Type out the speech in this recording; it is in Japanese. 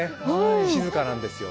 静かなんですよ。